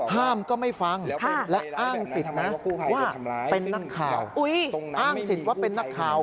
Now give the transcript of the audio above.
ห้ามก็ไม่ฟังและอ้างสิทธิ์นะว่าเป็นนักข่าว